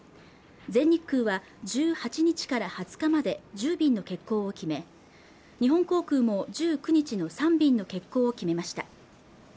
全日空は１８日から２０日まで１０便の欠航を決め日本航空も１９日の３便の欠航を決めました